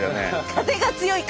風が強い。